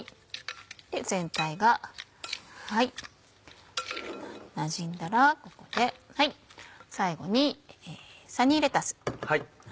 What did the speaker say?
全体がなじんだらここで最後にサニーレタス。